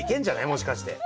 もしかして。